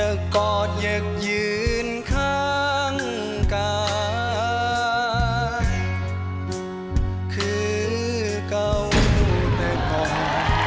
ยักษ์กอดยักษ์ยืนข้างก้านคือเก่าแต่ก่อน